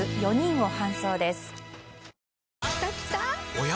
おや？